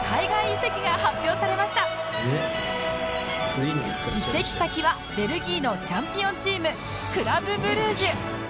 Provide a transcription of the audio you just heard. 移籍先はベルギーのチャンピオンチームクラブ・ブルージュ